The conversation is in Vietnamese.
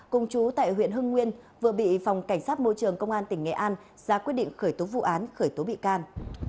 cùng chú tại huyện hưng nguyên vừa bị phòng cảnh sát môi trường công an tỉnh nghệ an ra quyết định khởi tố vụ án khởi tố bị can